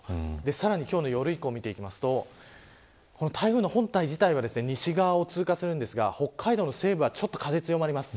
さらに、今日の夜以降見ていくと台風の本体自体は西側を通過しますが北海道の西部は風が強まります。